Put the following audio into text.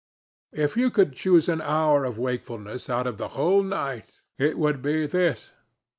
If you could choose an hour of wakefulness out of the whole night, it would be this.